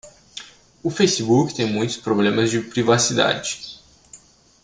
O Facebook tem muitos problemas de privacidade.